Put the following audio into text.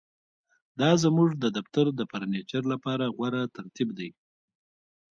دا زموږ د دفتر د فرنیچر لپاره غوره ترتیب دی